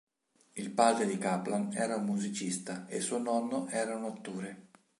Il padre di Kaplan era un musicista e suo nonno era un attore.